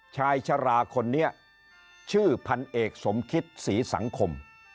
ชายชะลาคนนี้ชื่อพันเอกสมคิตศรีสังคม